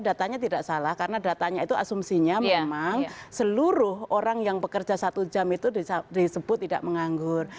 datanya tidak salah karena datanya itu asumsinya memang seluruh orang yang bekerja satu jam itu disebut tidak menganggur